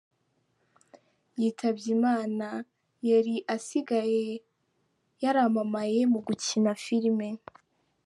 Yitabye Imana yari asigaye yaramamaye mugukina filime.